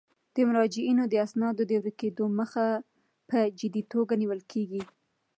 د مراجعینو د اسنادو د ورکیدو مخه په جدي توګه نیول کیږي.